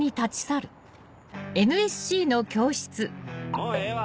もうええわ！